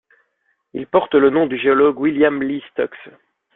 Il porte le nom du géologue William Lee Stokes.